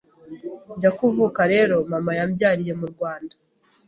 Njya kuvuka rero, mama yambyariye mu Rwanda